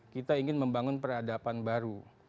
kita ingin membangun peradaban baru